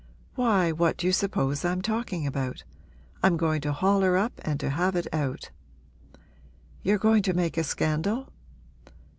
'Why, what do you suppose I'm talking about? I'm going to haul her up and to have it out.' 'You're going to make a scandal?'